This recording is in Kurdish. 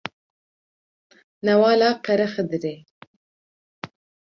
Newala Qerexidirê